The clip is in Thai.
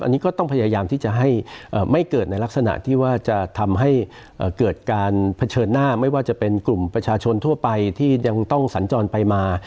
อันนี้ก็ต้องพยายามที่จะให้ไม่เกิดในลักษณะที่ว่าจะทำให้เกิดการเผชิญหน้าไม่ว่าจะเป็นกลุ่มประชาชนทั่วไปที่ยังต้องสัญจรไปมา